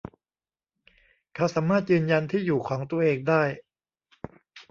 เขาสามารถยืนยันที่อยู่ของตัวเองได้